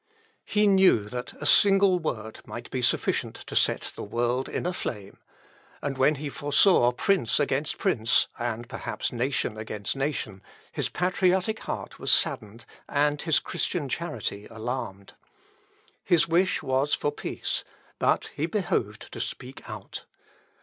He knew that a single word might be sufficient to set the world in a flame; and when he foresaw prince against prince, and perhaps nation against nation, his patriotic heart was saddened, and his Christian charity alarmed. His wish was for peace; but he behoved to speak out.